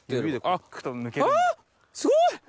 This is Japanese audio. すごい！